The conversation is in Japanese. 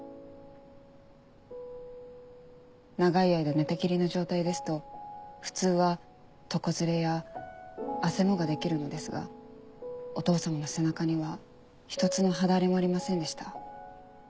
長い間寝たきりの状態ですと普通は床擦れやあせもが出来るのですがお義父様の背中には一つの肌荒れもありませんでした。